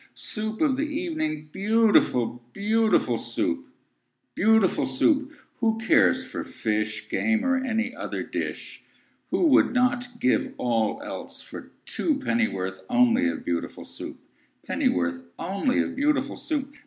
Soo oop of the e e evening, Beautiful, beautiful Soup! Beautiful Soup! Who cares for fish, Game, or any other dish? Who would not give all else for two Pennyworth only of Beautiful Soup? Pennyworth only of beautiful Soup?